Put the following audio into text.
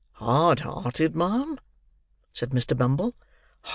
"Hard hearted, ma'am?" said Mr. Bumble.